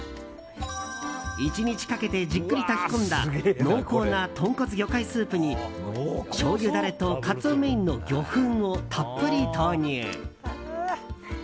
１日かけてじっくり炊き込んだ濃厚な豚骨魚介スープにしょうゆダレとカツオメインの魚粉をたっぷり投入。